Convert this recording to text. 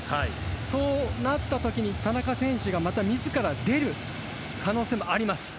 そうなった時に、田中選手がまた自ら出る可能性もあります。